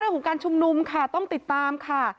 เรื่องของการชุมนุมค่ะต้องติดตามค่ะ